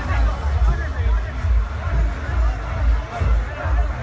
มันอาจจะไม่เอาเห็น